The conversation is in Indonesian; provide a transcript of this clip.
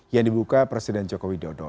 yang dibuka presiden joko widodo